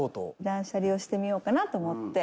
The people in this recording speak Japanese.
「断捨離をしてみようかなと思って」